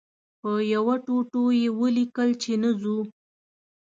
په یوه ټوټو یې ولیکل چې نه ځو.